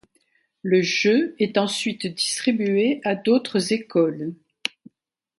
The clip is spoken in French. Le jeu est ensuite distribué à d'autres écoles.